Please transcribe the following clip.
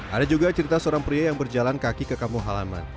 ada juga cerita seorang pria yang berjalan kaki ke kampung halaman